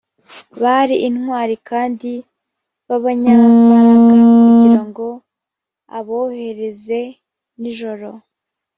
bari ’intwari kandi b’abanyambaraga kugira ngo abohereze nijoro